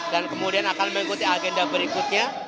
dan kemudian akan mengikuti agenda berikutnya